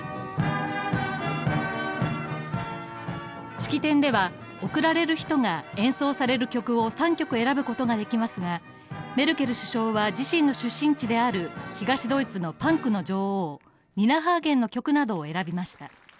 式典では、送られる人が演奏される曲を３曲選ぶことができますが、メルケル首相は自身の出身地である東ドイツのパンクの女王、ニナ・ハーゲンの曲などを選びました。